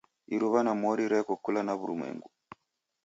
Iruwa na mori reko kula na w'urumwengu